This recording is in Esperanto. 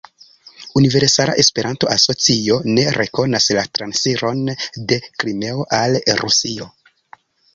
Universala Esperanto-Asocio ne rekonas la transiron de Krimeo al Rusio.